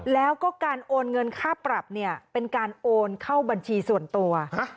แล้วก็การโอนเงินค่าปรับเนี่ยเป็นการโอนเข้าบัญชีส่วนตัว